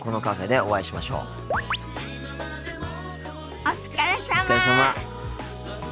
お疲れさま。